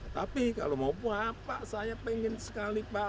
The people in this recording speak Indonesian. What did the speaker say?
tapi kalau mau apa saya pengen sekali pak